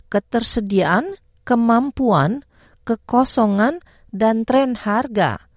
ketersediaan kemampuan kekosongan dan tren harga